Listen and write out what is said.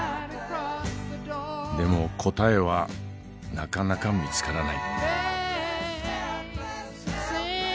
でも答えはなかなか見つからない。